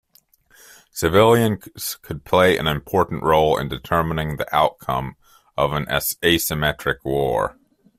Civilians could play an important role in determining the outcome of an asymmetric war.